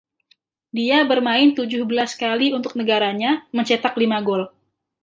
Dia bermain tujuh belas kali untuk negaranya, mencetak lima gol.